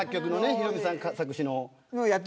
ヒロミさん作詞の。